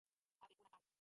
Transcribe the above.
Apepu rakãre.